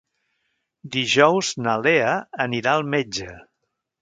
Dijous na Lea anirà al metge.